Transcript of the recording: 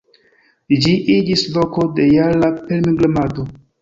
Ĝi iĝis loko de jara pilgrimado.